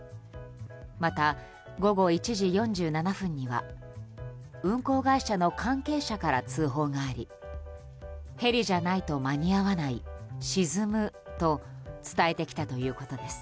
また、午後１時４７分には運航会社の関係者から通報がありヘリじゃないと間に合わない沈むと伝えてきたということです。